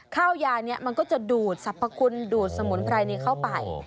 ข้าวยานี้มันก็จะดูดสรรพคุณดูดสมุนไพรนี้เข้าไป